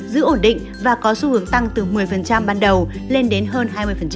giữ ổn định và có xu hướng tăng từ một mươi ban đầu lên đến hơn hai mươi